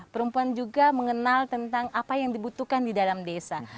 perempuan juga mengenal tentang apa yang dibutuhkan di dalam desa